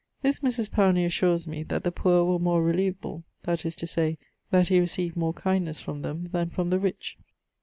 This Mris Powney assures me that the poor were more relieveable, that is to say, that he recieved more kindnesse from them than from the rich.